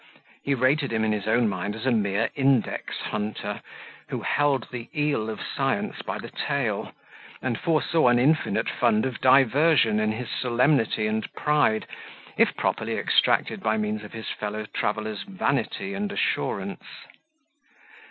He rated him in his own mind as a mere index hunter, who held the eel of science by the tail, and foresaw an infinite fund of diversion in his solemnity and pride, if properly extracted by means of his fellow traveller's vanity and assurance.